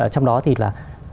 trong đó thì là